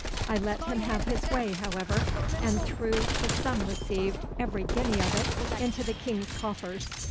I let him have his way, however, and threw the sum received, every guinea of it, into the King's coffers.